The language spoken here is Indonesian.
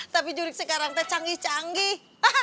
tapi jurik sekarang teh canggih canggih